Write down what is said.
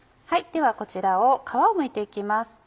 ではこちらを皮をむいて行きます。